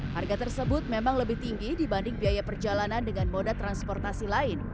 harga tersebut memang lebih tinggi dibanding biaya perjalanan dengan moda transportasi lain